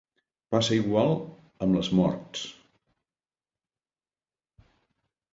Passa igual amb les morts.